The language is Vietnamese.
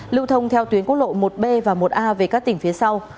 lưu thông theo tuyến quốc lộ một b và một a về các tỉnh phía sau